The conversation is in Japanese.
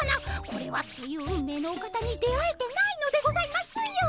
これはという運命のお方に出会えてないのでございますよ。